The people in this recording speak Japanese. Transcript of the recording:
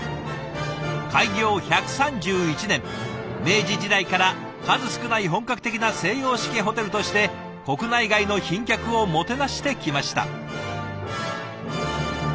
開業１３１年明治時代から数少ない本格的な西洋式ホテルとして国内外の賓客をもてなしてきました。